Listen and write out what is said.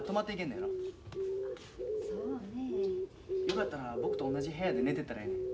・よかったら僕と同じ部屋で寝ていったらええねん。